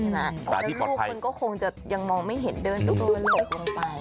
ตอนนั้นลูกมันก็คงจะยังมองไม่เห็นเดินตัวเหล็กลงไป